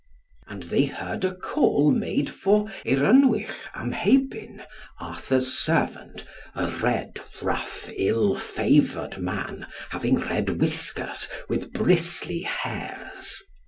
And they heard a call made for Eirynwych Amheibyn, Arthur's servant, a red, rough, ill favoured man, having red whiskers {116b} with bristly hairs.